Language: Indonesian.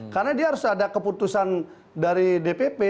karena dia harus ada keputusan dari dpp